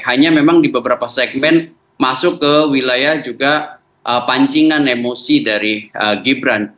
hanya memang di beberapa segmen masuk ke wilayah juga pancingan emosi dari gibran